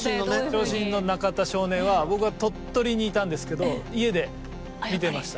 長身の中田少年は僕は鳥取にいたんですけど家で見てました。